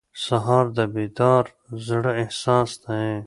سهار د بیدار زړه احساس دی.